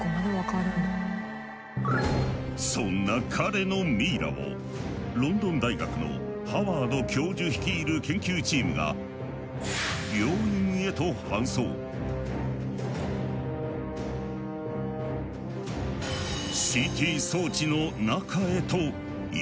そんな彼のミイラをロンドン大学のハワード教授率いる研究チームがＣＴ装置の中へと入れてしまった。